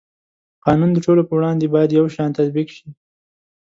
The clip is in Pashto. قانون د ټولو په وړاندې باید یو شان تطبیق شي.